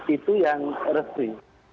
itu yang resmi